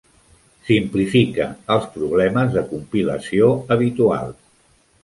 Simplifica els problemes de compilació habituals.